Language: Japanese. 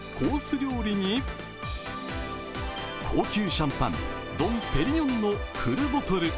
料理に高級シャンパン、ドンペリニョンのフルボトル。